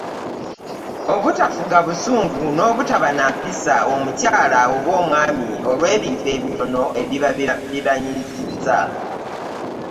Obutafuga busungu n’obutaba na mpisa omukyala oba omwami olw’ebintu ebitono ebiba bibanyiizizza.